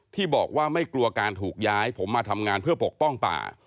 ที่บอกว่าไม่กลัวการถูกย้ายผมมาทำงานเพื่อปกป้องป่า